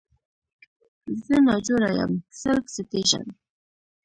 زه ناجوړه یم Self Citation